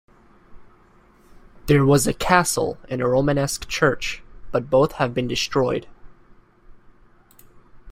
There was a castle and a Romanesque church, but both have been destroyed.